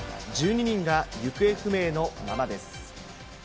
１２人が行方不明のままです。